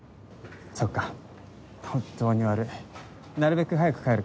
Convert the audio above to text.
そっか本当に悪いなるべく早く帰るからさ。